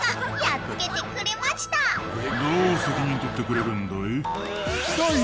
「どう責任取ってくれるんだい？」